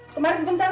kemar sebentar pak